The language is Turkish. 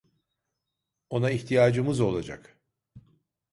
Ona ihtiyacımız olacak.